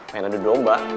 pengen adu domba